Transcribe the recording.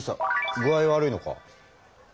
具合悪いのか？